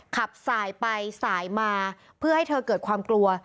ขับสายไปสายมาเพื่อให้เธอเกิดความกลัว